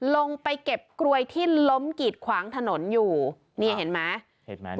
ลงไปเก็บกลวยที่ล้มกีดขวางถนนอยู่นี่เห็นไหมเห็นไหม